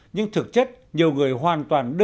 nhưng thực chất nhiều người hoàn toàn không biết